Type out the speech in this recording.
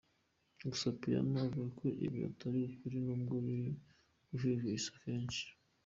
Gusa Piano avuga ko ibi atari ukuri n’ubwo biri guhwihwiswa henshi.